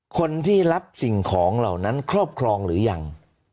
คนที่รับสิ่งของเหล่านั้นครอบครองหรือยัง